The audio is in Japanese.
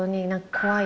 怖い？